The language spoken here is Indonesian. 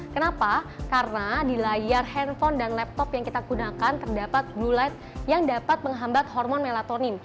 kenapa karena di layar handphone dan laptop yang kita gunakan terdapat blue light yang dapat menghambat hormon melatonin